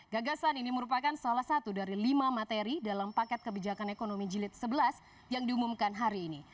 gagasan ini merupakan salah satu dari lima materi dalam paket kebijakan ekonomi jilid sebelas yang diumumkan hari ini